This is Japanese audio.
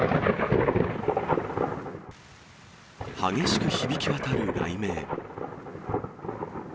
激しく響き渡る雷鳴。